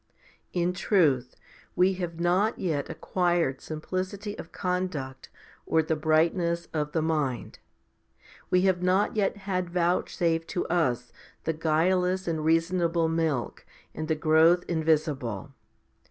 5. In truth we have not yet acquired simplicity of conduct or the brightness of the mind. We have not yet had vouchsafed to us the guileless and reasonable milk 4 and the growth invisible.